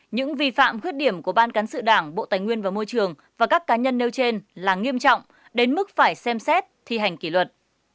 những vi phạm khuyết điểm của ban cán sự đảng bộ tài nguyên và môi trường và các cá nhân nêu trên là nghiêm trọng đến mức phải xem xét thi hành kỷ luật